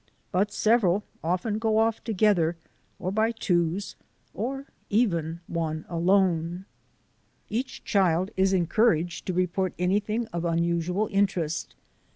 But several often go off together, or by twos, or even one alone. Each child is encouraged to report anything of unusual interest.